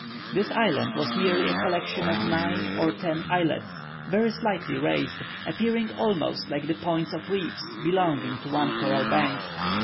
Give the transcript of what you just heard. This island was merely a collection of nine or ten islets, very slightly raised, appearing almost like the points of reefs, belonging to one coral bank.